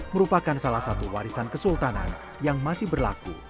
merupakan salah satu warisan kesultanan yang masih berlaku